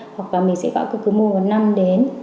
hoặc là mình sẽ gọi cơ cứu môi vào năm đến